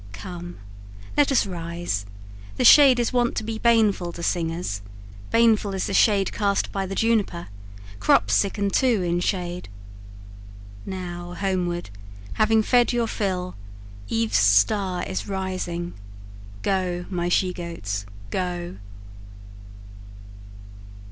Come, let us rise: the shade is wont to be Baneful to singers; baneful is the shade Cast by the juniper, crops sicken too In shade. Now homeward, having fed your fill Eve's star is rising go, my she goats, go.